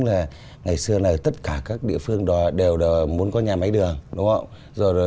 cũng như một hội chứng là ngày xưa tất cả các địa phương đều muốn có nhà máy đường đúng không ạ